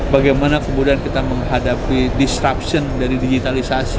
bagaimana kemudian kita menghadapi disruption dari digitalisasi